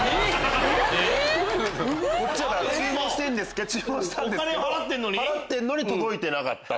え⁉注文してるんですけど払ってんのに届いてなかった。